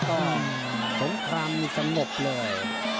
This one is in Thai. ตอนตรงคลัมมีสงบเลย